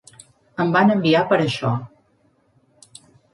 Em van enviar per això.